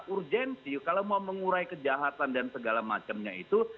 urgensi kalau mau mengurai kejahatan dan segala macamnya itu